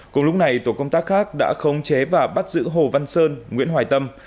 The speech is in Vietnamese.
cùng lúc này tổ công tác khác đã khống chế và bắt giữ hồ văn sơn nguyễn hoài tâm